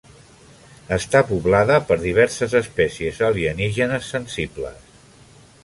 Està poblada per diverses espècies alienígenes sensibles.